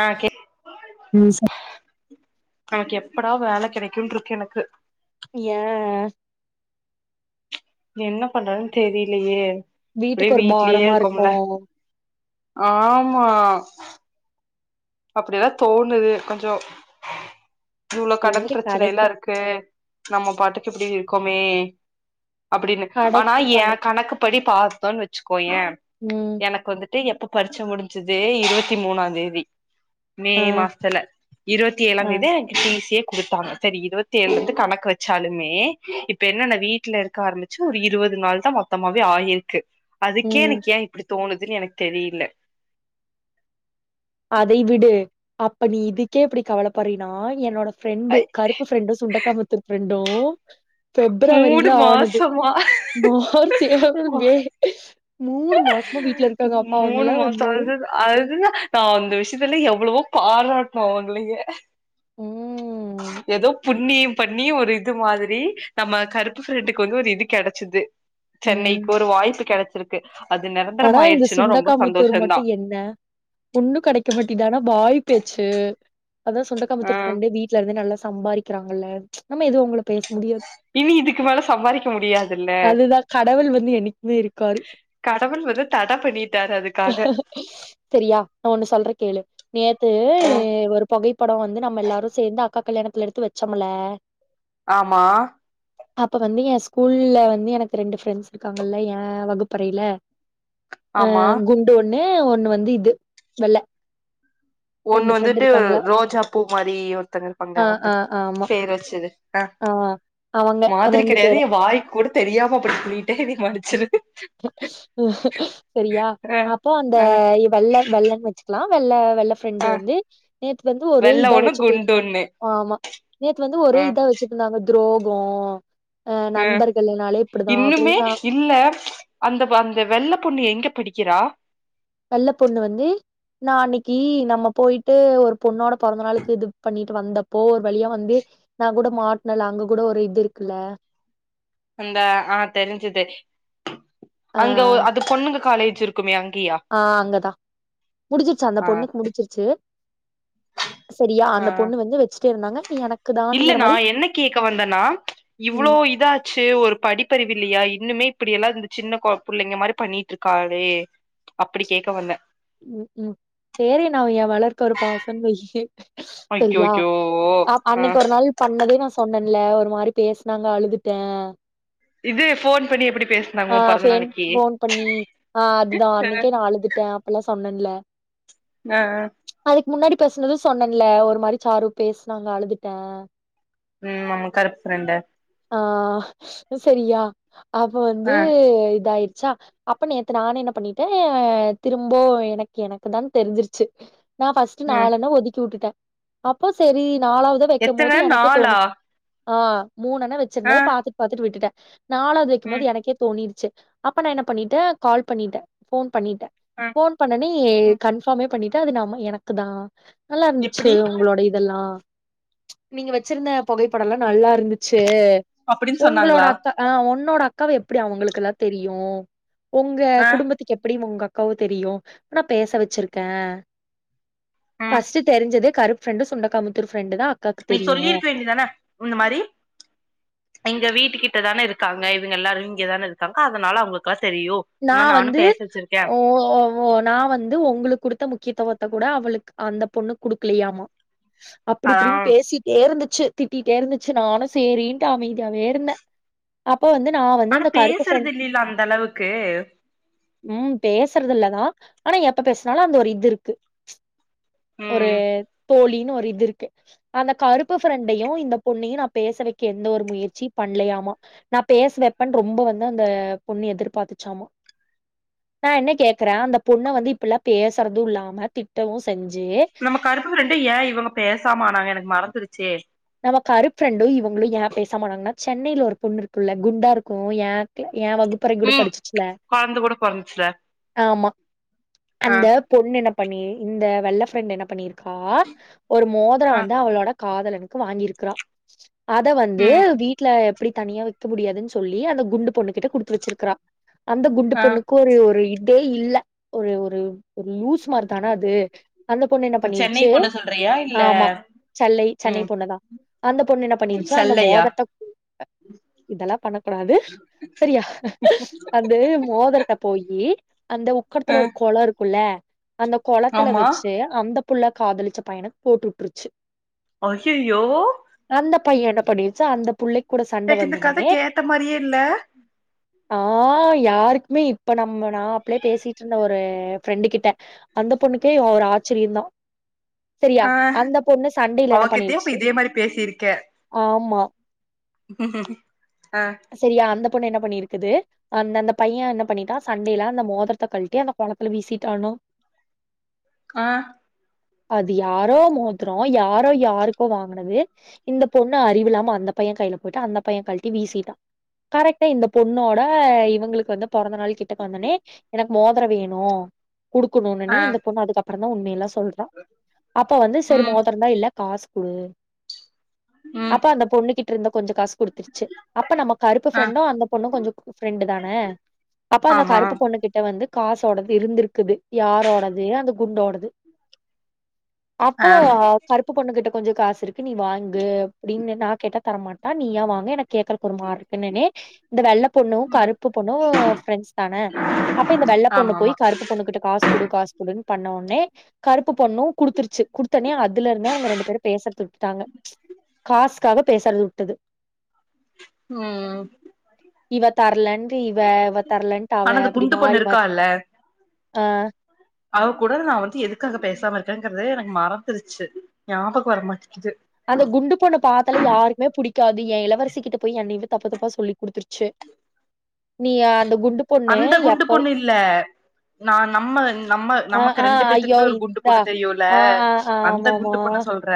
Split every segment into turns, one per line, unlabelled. ஆ கே
ம் ச
எனக்கு எப்படா வேலை கிடைக்கும் இருக்கு எனக்கு
ஏ
என்ன பண்றன்னு தெரியலையே இப்படியே
வீட்டுக்கு ஒரு
வீடலயே
பாரமா இருக்கு
இருக்கம்ல ஆமா அப்படியெல்லாம் தோணுது கொஞ்சம் இவ்ளவு கடன்
சேரி
பிரச்சனை
கடைக்கு
எல்லாம் இருக்கு நம்ம பாட்டுக்கு எப்படி இருக்கோமே அப்டின்னு ஆனா
கடைக்கு
எ
கடை
கணக்குப்படி பத்தோன்னு வச்சுக்கோயே
ம்
எனக்கு வந்து எப்ப பரீச்சை முடிஞ்சது இருபத்தி மூணா தேதி மே
ஆ
மாசத்துல இருபத்தி ஏழாந்
ஆ
தேதி சே குடுத்தாங்க செரி இருபத்தி ஏழு இருந்து கணக்கு வச்சாலுமே இப்ப என்னன்ன வீட்டுல இருக்க ஆரம்பிச்சு ஒரு இருபத் நாள் தா மொத்தமாவே ஆயிருக்கு அதுக்கே
ம்
எனக்கு ஏ இப்டி தோணுதுன்னு எனக்கு தெரியில
அதை விடு அப்ப நீ இதுக்கே இப்டி கவலைப்பறீனா என்னோட ஃப்ரெண்டு
ஐ
கருப்பு ஃப்ரெண்டு சுண்டக்காமுத்தூர் ஃப்ரெண்டு
மூணு
பிப்ரவரியில ஆனது
மாசமா
மார்ச் ஏப்ரல் மே மூணு மா
மூண மாச அதுத அதுதா நா அந்த விஷயத்துல எவ்ளவோ பாராட்டணு அவங்களையே
ம்
ஏதோ புண்ணியம் பண்ணி ஒரு இது மாரி நம்ம கருப்பு ஃப்ரெண்டுக்கு வந்து ஒரு இது கெடைச்சிது
ம்
சென்னைக்கு ஒரு வாய்ப்பு கெடைச்சிருக்கு
ஆனா இந்த சுண்டக்காமுத்தூர் மட்டு என்ன ஒண்ணு கெடைக்க மாட்டிது ஆனா வாய் பேச்சு அதா
ஆ
சுண்டக்காமுத்தூர் ஃப்ரெண்டு வீட்ல இருந்தே நல்லா சம்பாரிக்கறாங்கல்ல நம்ம எதுவு அவங்கள பேச முடியாது
இனி இதுக்கு மேல சம்பாரிக்க முடியாதுல்ல
அதுதா கடவுள் வந்து என்னைக்குமே இருக்காரு
கா லெவ வந்து தடை பண்ணிட்டரு அதுக்க
சரியா நா ஒண்ணு சொல்ற கேளு நேத்து
ம்
ஒரு புகைப்படம் வந்து நம்ம எல்லாரு சேந்து அக்கா கல்யாணத்துல எடுத்து வெச்சொம்ல
ஆமா
அப்ப வந்து ஏ ஸ்கூல்ல வந்து எனக்கு ரெண்டு ஃப்ரெண்ட்ஸ் இருக்காங்கல்ல ஏ வகுப்பறையில அ
ஆமா
குண்டு ஒண்ணு ஒண்ணு வந்து இது வெள்ள
ஒண்ணு
ரெண்டு ஃப்ரெண்ட்
வந்துட்டு
இருக்காங்கள
ரோஜா பூ மாரி ஒருத்தங்க இருப்பாங்க
ஆ
அவங்க
ஆ ஆமா
பேர் வெச்சுது அ
ஆ அவங்க
மாதிரி
ரெண்டு பேரு
கெடையாது ஏ வாய்க் கூட தெரியாம அப்டின்னு சொல்லி மன்னிச்சிரு
சரியா
அ
அப்போ அந்த
அ
வெள்ள வெள்ளன்னு வெச்சுக்கலா வெள்ள ஃப்ரெண்டு
அ
வந்து நேத்து வந்து ஒரே
வெள்ள
இதா
ஒண்ணு
வெச்சுட்டே
குண்டு
இருந்தா
ஒண்ணு
ஆமா நேத்து வந்து ஒரே
அ
இதா வெ ச்சுட்டு இருந்தாங்க துரோகோ அ நண்பர்கள்னாலே இப்டிதா
இன்னுமே
அப்டின்னா
இல்ல அந்த அந்த வெள்ள பொண்ணு எங்க படிக்கிறா
வெள்ள பொண்ணு வந்து நா அன்னிக்கி நம்ம போய்ட்டு ஒரு பொண்ணோட பொறந்த நாளிக்கு இது பண்ணி வந்தப்போ ஒரு வழியா வந்து நா கூட மாட்னல அங்க கூட ஒரு இது இருக்குல்ல
அந்த அ தெரிஞ்சுது அங்க ஒ அது பொண்ணுங்க காலேஜ் இருக்குமே அங்
அ அங்கதா முடிச்சிருச்சு அந்த
ஆ
பொண்ணுக்கு
சரி.
முடிச்சிருச்சு தியா
ஆ
அந்த பொண்ணு வந்து வெச்சுட்டே இருந்தாங்க எனக்கு
இல்ல
தான்ங்கிற
நா
மாரி
என்ன கேக்க வந்தனா
ம்
இவ்ளோ இதாச்சு ஒரு படிப்பறிவு இல்லியா இன்னுமே இப்டியெல்லா இந்த சின்ன கொ புள்ளிங்க மாரி பண்ணிட்டு இருக்காளே அப்டி கேக்க வந்த
ம் ம் சேரி நா ஏ மேல ஒரு பாசோன்னு வைய்யி சரியா
அய்யய்யோ
அ
ஆ
அன்னிக்கி ஒரு நாள் பண்ணதே நா சொன்ன இல்ல ஒரு மாரி பேசுனாங்க அழுதுட்டே
இது ஃபோன் பண்ணி எப்டி
அ
பேசுனாங்க உன் பொறந்த
பேன்
நாளைக்கி
ஃபோன் பண்ணி அ அதுதா
ஆ
அன்னிக்கே நா அழு துட்டே அப்பெல்லா சொன்னேன்ல
அ அ
அதுக்கு முன்னாடி பேசுனது சொன்னேன்ல ஒரு மாரி சாரு பேசுனாங்க அழுதுட்டே
ம் நம்ம கருப்பு ஃப்ரெண்ட்
அ சரியா அப்போ வந்து
ஆ
இதாய் ச்சா அப்ப நேத்து நானே என்ன பண்ணிட்டே திரும்பவு எனக்கு எனக்கு தா தெரிஞ்சிருச்சு நா ஃபர்ஸ்ட்
ம்
நாலுண்ண ஒதுக்கி விட்டுட்டே அப்போ சரி நாலாவ்து வைக்கும் போது
எத்தன
எனக்கே
நாளா
தோணுச்சு அ மூணண்ண
ஆ
வெச்சிருந்த பாத்துட்டு பாத்துட்டு விட்டுட்டே நாலாவ்து வைக்கும்
ம்
போது எனக்கே தோணிருச்சு அப்ப நா என்ன பண்ணிட்டே கால் பண்ணிட்டே ஃபோன் பண்ணிட்டே
ஆ
ஃபோன் பண்ணனே
ம்
கன்ஃபார்மே பண்ணிட்டு அது நாம எனக்கு தா நல்லா இருந்துச்சு
எப்டி
உங்ளோட இதெல்லா நீங்க வெச்சிருந்த புகைப்படல்லா நல்லா இரு இருந்துச்சு
அப்டின்னு
உங்களோட
சொன்னாங்களா
அக்கா அ ஒன் என்னோட அக்காவ எப்டி அவங்களுக்கெல்லா தெரியு உங்க
ஆ
குடும்பத்துக்கு எப்பிடி உங்க அ அக்காவ தெரியு நா பேச வெச்சிருக்க
ம்
ஃபஸ்ட் தெரிஞ்சது கருப்பு ஃப்ரண்டு சுண்டக்காமுத்தூர் ஃப்ரெண்டு தா
நீ சொல்லிருக்க வேண்டியதானே இந்த மாரி எங்க வீட்டு கிட்ட தானே இருக்கு இருக்காங்க இவங்க எல்லாரு இங்கதான இருக்காங்க அதனால அவங்க க
நா வந்து ஓ நா வந்து உங்களுக்கு குடுத்த முக்கியத்துவத் கூட அவளுக்கு அந்த பொண்ணு குடுக்குலியாமா அப்டி
அதா
இப்டின்னு பேசிட்டே இருந்து ச்சு திட்டிட்டே இருந்துச்சு நானு சேரின்ட்டு அமைதியாவே இருந்தே அப் அப்போ வந்து நா வந்து
ஆனா
அந்த கருப்பு
பேசுறது
ஃப்ரெண்ட்
இல்லல்ல அந்த அளவுக்கு
ம் பேச்றது இல்லதா ஆனா எப்ப பேசுனாலு அந்த ஒரு இது இருக்கு ஒரு
ம்
தோழின்னு ஒரு இது இருக்கு அந்த கருப்பு ஃப்ரெண்டையு இந்த பொண்ணையு நா பேச வைக்க எந்த ஒரு முயற்சியு பண்ண இல்லையாமா நா பேசவப்பன் ரொம்ப வந்து அந்த பொண்ணு எதிர்பாத்துச்சாமா நா என்ன கேக்கறே அந்த பொண்ண வந்து இப்பல்லா பேசுறது இல்லாம திட்டவு செஞ்
நம்ம கருப்புங்க ரெண்டு ஏ இவங்க பேசாம ஆனாங்க எனக்கு மறந்துருச்சே
நம்ம கருப்ரெண்டு இவங்களு ஏ பேசாம ஆனாங்கனா சென்னையில ஒரு பொண்ணு இருக்குல்ல குண்டா இருக்கு ஏ அக்ல ஏ வகுப்பறை கூட
ம்
படிச்சுச்ல
கொழந்த கூட பொறந்துச்சுல
ஆமா
ஆ
அந்த பொண்ணு என்னப் பண்ணி இந்த வெள்ள ஃப்ரண்ட் என்ன பண்ணிருக்கா ஒரு மோதர
ஆ
வந்து அவளோட காதலனுக் கு வாங்கிருக்கிறா அத வந்து
ம்
வீட்ல எப்புடி தனியா வெக்க முடியாதுன் சொல்லி அந்த குண்டு பொண்ணு கிட்ட குடுத்து வச்சிருக்கறா அந்த குண்டு
ஆ
பொண்ணுக்கு ஒரு ஒரு இதே இல்ல ஒரு ஒரு ஒரு லூஸு மார் தான அது அந்த பொண்ணு என்ன
சென்னை
பண்ணிருச்சு
பொண்ண சொல்றியா இல்ல
ஆமா செல்லை சென்னை
ம்
பொண்ணு தா அந்த பொண்ணு என்ன
ம்
பண்ணிருச்சா அந்த
செல்லையா
மோதரத்த குடுக்க இதெல்லா பண்ண கூடாது சரியா அது மோதரத்த போயி அந்த
ஆ
உக்கடத்துல ஒரு கொள இருக்குல்ல அந்த கொளத்துல
ஆமா
வச்சு அந்த புள்ள காதலிச்ச பயனுக்கு போட்டுட்ருச்சு
ஐயயோ
பைய என்ன பண்ணிருச்சு அந்த புள்ளை
எனக்கு இந்த கத கேட்ட மாரியே இல்ல
ஆ யாருக்குமே இப்ப நம்ம நா அப்ளயா பேசிட்ருந்த ஒரு ஃப்ரெண்டு கிட்ட அந்த பொண்ணுக்கே ஒ ஒரு ஆச்சரியந்தா சரியா
ஆ
அந்த பொண்ணு சண்டைல என்ன
அவகிட்டயு அப்ப
பண்ணிருச்சு
இதே மாரி பேசிருக்க
ஆமா
உஹ
சரியா அந்த ண்ணு என்ன பண்ணிருக்குது அந்த ந்த பைய என்ன பண்ணிட்டா சண்டைல அந்த மோதரத்த கழ்ட்டி அந்த கொளத்துல வீசிட்டானோ
ஆ
அது யாரோ மோதர யாரோ யாருக்கோ வாங்குனது இந்த பொண்ணு அறிவில்லாம அந்த பைய கைல போட்டு அந்த பைய கழ்ட்டி வீசிட்டா கரெக்டா இந்த பொண்ணோட இவுங்களுக்கு வந்து பொறந்த நாளு கிட்டக்க வந்தொனே எனக்கு மோதர வேணு குடுக்கணுன்னொன்னி
ஆ
இந்த பொண்ணு அதுக்கப்றந்தா உண்மையெல்லா சொல்றா அப்ப வந்து சரி
ம்
மோதரந்தா இல்ல காசு குடு
ம்
அப்ப அந்த பொண்ணு கிட்ட இருந்த கொஞ்ச காசு குடுத்துருச்சி அப்ப நம்ம கருப்பு
ஆ
ஃப்ரண்டு அந்த பொண்ணு கொஞ்ச ஃப்ரண்டு தான அப்ப அந்த
ஆமா
கருப்பு பொண்ணு கிட்ட வந்து காசோடது இருந்திருக்குது யாரோடது அந்த குண்டோடது அப்போ
ஆ
கருப்பு பொண்ணு கிட்ட கொஞ்ச காசிருக்கு நீ வாங்கு அப்டின்னு நா கேட்ட தரமாட்டா நீயா வாங்கு எனக்கு கேக்கறக்கு ஒரு மாரி இருக்குனொன்னி இந்த வெள்ள பொண்ணு
ம்
கருப்பு பொண்ணு ஃப்ரண்ட்ஸ் தான அப்ப இந்த வெள்ள பொண்ணு
ஆமா
போயி
ஆமா
க ருப்பு பொண்ணுகிட்ட காசு குடு காசு குடுன்னு பண்ண ஒன்னே கருப்பு பொண்ணு குடுத்துருச்சி குடுத்தொன்னே அதுலருந்தே அவுங்க ரெண்டு பேரு பேசறத உட்டுட்டாங்க காஸுக்காக பேசறத உட்டுது
ம்
இவ தரலன்ட்டு இவ இவ தரலன்ட்டு
ஆனா
அவ
அந்த
அப்பிடி
குண்டு பொண்ணு
மாறி மாறி
இருக்கால்ல
அ
அவ கூட நா வந்து எதுக்காக பேசாம இருக்கேங்கறதே எனக்கு மறந்துருச்சு ஞாபக வரமாட்ட
அந்த குண்டு பொண்ண பாத்தாலே யாருக்குமே புடிக் காது எ இளவரசி கிட்ட போயி என்னையவே தப்பு தப்பா சொல்லி குடுத்துருச்சு நீ அ
அந்த குண்டு பொண்ணு இல்ல நா நம்ம நம்ம
ஆ, ஆ,
நமக்கு ரெண்டு
ஐயோ!
பேத்துக்குமே ஒரு குண்டு
இந்தா.
பொண்ணு தெரியுல்ல
ஆ, ஆ,
அந்த
ஆமாமா.
குண்டு பொண்ண சொல்ற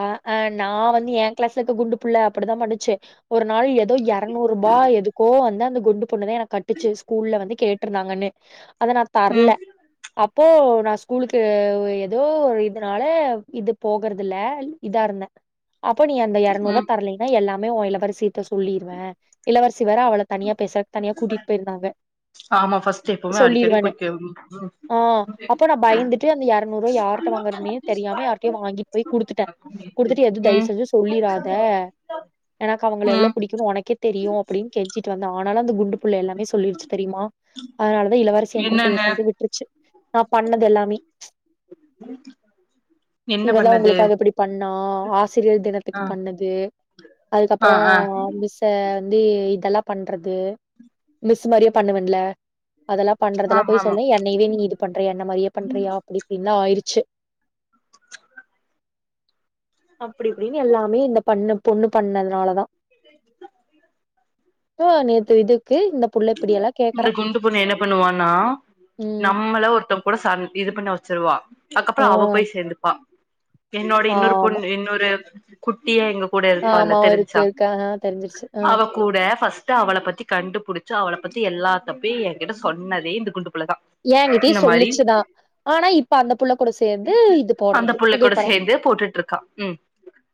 ஆ அ நா வந்து எ கிளாஸ்ல இருக்க குண்டு புள்ள அப்பிடிதா பண்ணுச்சு ஒரு நாள் எதோ எரநூருபா ஆ எதுக்கோ வந்து அந்த குண்டு குண்டு பொண்ணு தான் எனக்கு கட்டுச்சு ஸ்கூல்ல வந்து கேட்ருந்தாங்கன்னு அத நான்
ம்
தர்ல அப்போ நான் ஸ்கூலுக்கு ஏதோ ஒரு இதனால இது போகறதில்ல இதா இருந்தே அப்போ நீ அந்த இரநூரூபா
ம்
தர்லேன்னா எல்லாமே உன் இளவரசியிட்ட சொல்லிருவேன் இளவரசி வேற அவள தனியா பேச தனியா கூட்டிட்டு போயிருந்தாங்க
ஆமா ஃபர்ஸ்ட் எப்பவுமே அடிக்கடி
சொல்லிருவேன்னு.
போய் [unintelligible]
ஆ அப்போ நான் பயந்துட்டு அந்த ஏரநூறுபா யார்கிட்ட வாங்குறதுதெரியாம யார்கிட்டயோ வாங்கிட்டு போய் குடுத்துட்டேன் குடுத்துட்டு எதுவும் தயவு
ம்
செஞ்சி சொல்லிராத எனக்கு அவங்கள எவ்வளோ
ம்
பிடிக்கும் எனக்கே தெரியும் அப்படின்னு கெஞ்சிட்டு வந்தேன் ஆனாலும் அந்த குண்டு புள்ளே எல்லாமே சொல்லிருச்சு தெரியுமா அதனால இளவரசிய என் கூட
என்னன்ன
பேசுறது விட்ருச்சு நான் பண்ணது எல்லாமே
என்ன பண்ணது
நா ஆசிரியர்
ஆ
தினத்துக்கு பண்ணது
ஆ
அதுக்கப்புறம்
ஆ
மிஸ்ச வந்து இதெல்லாம் பண்றது மிஸ் மாரியே பண்ணுவேன்ல அதெல்லாம் பண்றதுலாம்
ஆமா
போய்
ஆமா
சொல்ல என்னைவே நீ இது பண்றியா என்னெ மாதிரியே பண்றியா அப்படி இப்படினுலாம் ஆயிருச்சு அப்படிப இபடின்னு எல்லாமே இந்த பண்ண பொண்ணு பண்ணதுனாலதான்
[inaudible]
ஆ போலாம் நேத்து இது
இந்த குண்டு பொண்ணு என்ன பண்ணுவான்னா
ம்.
நம்மள ஒருத்தங்க கூட சண்ட இது பண்ண வச்சிருவா
ஆ
அதுக்கப்புறம் அவ போய் சேந்துப்பா என்னோட இன்னொரு
ஆமா.
பொண்ணு இன்னொரு குட்டியா எங்க கூட இருப்பாளெ
ஆமா இருக்கு
பெருசா
இருக்கு. ஆ தெரிஞ்சிருச்சு. ஆ
அவ கூட ஃபஸ்ட் தப்பையு என்கிட்ட சொன்னதே இந்த குண்டு புள்ளதா
ஏங்கிட்டயும்
இந்த மாரி
சொல்லிச்சுதான் ஆனா இப்ப அந்த புள்ள கூட சேந்து இது போடுறது புகைப்படம்
சேர்ந்தே போட்டுட்டு இருக்கா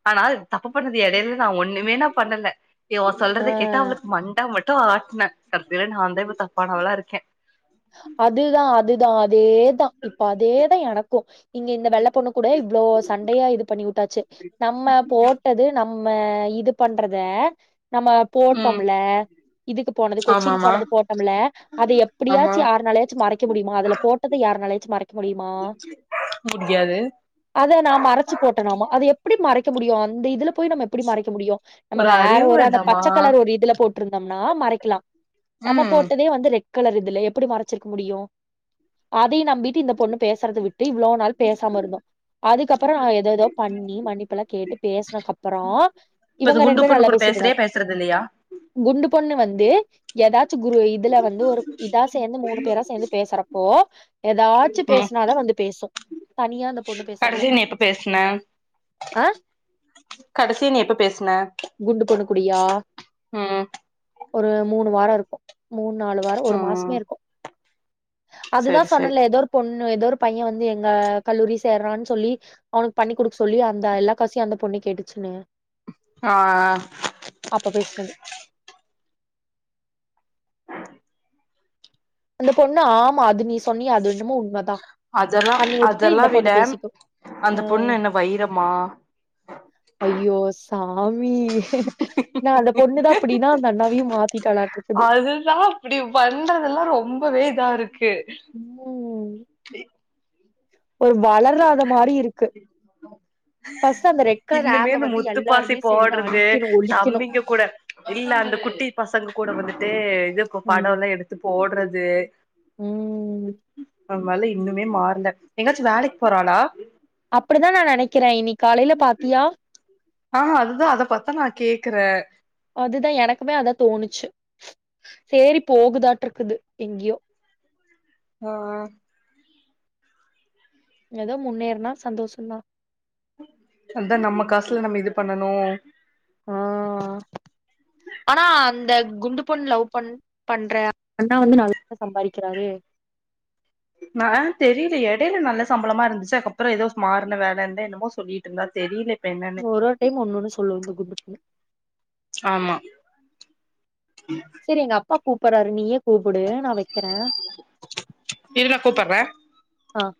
ஆனால் தப்பு பண்ணது இடையில நான் ஒண்ணுமே நான் பண்ணல இவ
ஆ
சொல்றத கேட்டா அவளுக்கு மண்ட மட்டும் ஆட்டுனே கடசில நான் தான் தப்பானவளா இருக்கேன்
அதுதான் - அதுதான் அது இதேதான் இப்ப அதேதான் எனக்கும் இங்க இந்த வெள்ளை பொண்ணு கூட இவ்வளோ சண்டையா இது பண்ணி வுட்டாச்சி நம்ம போட்டது நம்ம இது பண்றத நம்ம
ம்
போட்டோமல்ல இதுக்கு போனது கொச்சின்
ஆமாமா
போனது போட்டோமல்ல அதை எப்படியா
ஆமா
யாருநாலயாச்சும் மறைக்க முடியுமா அதுல போட்டத யாருநாலயாச்சும் மறைக்க முடியுமா
முடியாது
அத நான் மறச்சு போட்டனாமா அத எப்டி மறைக்க சோ முடியும் அந்த இதுல போய் நம்ம எப்புடி மறைக்க முடியும் நம்ம
ஒரு
வேற
அறிவு
ஒரு அந்த
வேண்டாமா
பச்சக்கலர் ஒரு இதுல போட் ட்ருந்தம்னா மறைக்கிலா நம்ம
ம்
போட்டதே வந்து ரெட் கலர் இதுலே எப் ப்புடி மறச்சிருக்க முடியும் அதையும் நம்பிட்டு இந்த பொண்ணு பேசுறத விட்டு இவ்ளோ நாள் பேசாம இருந்தோம் அதுக்கப்புறோ நா ஏதேதோ பண்ணி மன்னிப்பெல்லா கேட்டு பேசுனக் அப்பறோ
இப்ப இந்த
இவங்க ரெண்டு
குண்டு
பேரும்
பொண்ணு
நல்லா
கூட பேசுறியா
பேசிட்ருந்தாங்க
பேசுறது இல்லையா
குண்டு பொண்ணு வந்து எதாச்சும் குரு இதுல வந்து ஒரு இதா ஸ் து மூணு பேரா சேந்து பேசுறப்போ எதாச்சும்
ம்
பேசுனாதா வந்து பேசும் தனியா அந்த பொண்ணு பேசுறதுல்லா
கடைசியா நீ
பண்
எப்ப பேசுன
ஆ
கடசியா நீ எப்ப பேசுன
குண்டு பொண்ணு கூடியா
ம்
ஒரு மூணு வாரோ இருக்கும் மூண் நாலு வாரோம் ஒரு
ம்
மாசமே இருக்கும் அதுதா
செரி செரி
சொன்னலே எதோ ஒரு பொண்ணு எதோ ஒருப் பையன் வந்து எங்க கல்லூரி சேர்றான் சொல்லி அவுனுக்கு பண்ணி குடுக் சொல்லி அந்த எல்லா காசயும் அந்த பொண்ணு கேட்டுச்சு னே
ஆ
அந்த பொண்ணு ஆமா அது நீ ஸ் சொன்னிய அது என்னுமோ உண்மதா
அதெல்லா
பண்ணி வுட்டுட்டு
அதெல்லா
இந்த
விட
பொண்ணு பேசிக்கும்
அந்த பொண்ணு என்ன வைரமா
ஐயோ சாமி நான் அந்த பொண்ணுதா அப்டின்னா அந்த அண்ணாவயும் மாத்
அதுதான் அப்டி பண்றதுலா ரொம்பவே இதா இருக்கு
உம் ஒரு வளராத மாரி இருக் இருக்கு ஃபர்ஸ்ட் அந்த ரெட் கலர்
இன்னுமே
ஆப்ப
இந்த
வந்து
முத்துப்பாசி
எல்லாருமே சேந்து
போட்றது
அழிக்கணு ஒழிக்கணு
தம்பிங்க கூட இல்ல அந்த குட்டி பசங்க கூட வந்துட்டு இது இப்ப படம்
ம்
எல்லா எடுத்து போடுறது
ம்
அவளா இன்னுமே மாற்ல எங்கயாச்சும் வேலைக்கு போறாளா
அப்டிதான் நான் நினக்கிறேன் இன்னிக்கு காலைல பாத்தியா
ஆ அதுதா அத பாத்தா நா கேக்குறே
அதுதா எனக்குமே அதா தோணுச்சு சேரி போகுதாட்டுருக்குது எங்கயோ
ஆஹ்
ஏதோ முன்னேற்னா சந்தோஷம் தா
அதா நம்ம காசுல நம்ம இது பண்ணணும்
ஆனா அந்த குண்டு பொண் லவ் பண் பண்ற அண்ணா வந்து நல்லா சம்பாதிக்கிறாரு
ஆஹ் தெரியல எடையில நல்ல சம்பளமா இருந்துச்சு அதுக்கப்புறம் ஏதோ மாறின வேலை இருந்த என்னமோ சொல்லிட்டு இருந்தா தெரில இப்ப என்னன்னு
ஒரு ஒரு டைம் ஒன்னு ஒன்னு சொல்லும் இந்த குண்டு பொண்ணு
ஆமா
செரி எங்க அப்பா கூப்பிட்றாரு நீயே கூப்பிடு நா வெக்கிறேன்
இரு நா கூப்பட்றே
ஆஹ்